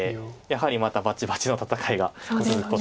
やはりまたバチバチの戦いが続くことに。